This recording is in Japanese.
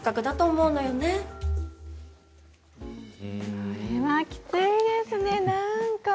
これはきついですねなんか。